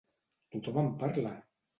Tothom en parla!